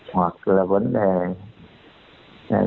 hoặc là vấn đề xét nghiệm v v